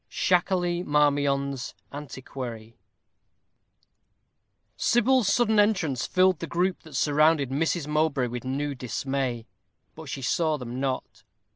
SHAKERLEY MARMION'S Antiquary. Sybil's sudden entrance filled the group that surrounded Miss Mowbray with new dismay. But she saw them not.